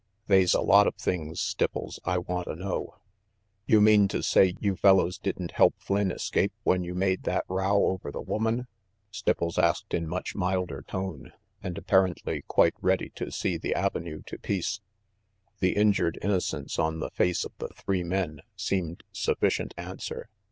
They's a lot of things, Stipples, I wanta know." "You mean to say you fellows didn't help Flynn escape when you made that row over the woman?" RANGY PETE Stipples asked in much milder tone, and apparently quite ready to see the avenue to peace. The injured innocence on the faces of the three men seemed sufficient answer.